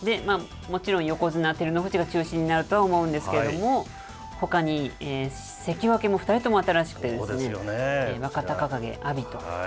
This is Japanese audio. もちろん横綱・照ノ富士が中心になるとは思うんですけれども、ほかに関脇も２人とも新しくですね、若隆景、阿炎と。